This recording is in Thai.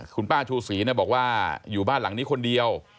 คุณป้าชูศรีบอกว่าอยู่บ้านหลังนี้คนเดียว